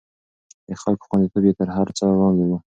د خلکو خونديتوب يې تر هر څه وړاندې و.